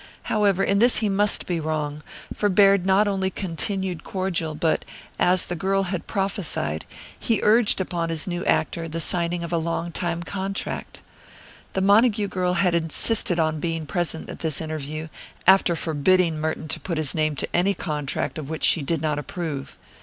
However, in this he must be wrong, for Baird not only continued cordial but, as the girl had prophesied, he urged upon his new actor the signing of a long time contract. The Montague girl had insisted upon being present at this interview, after forbidding Merton to put his name to any contract of which she did not approve.